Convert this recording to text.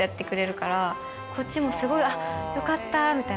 こっちもすごい「あっよかった」みたいな。